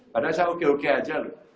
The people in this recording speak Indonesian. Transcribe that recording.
padahal saya oke oke aja loh